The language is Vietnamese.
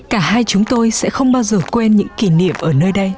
cả hai chúng tôi sẽ không bao giờ quên những kỷ niệm ở nơi đây